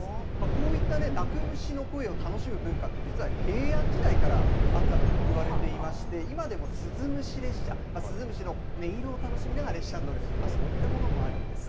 こういったね、鳴く虫の声を楽しむ文化って、実は平安時代からあったといわれていまして、今でもスズムシ列車、スズムシの音色を楽しみながら列車に乗る、そういったものもあるんです。